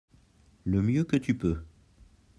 Le mieux que tu peux.